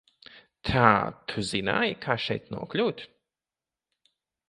Tā tu zināji, kā šeit nokļūt?